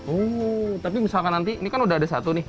oh tapi misalkan nanti ini kan udah ada satu nih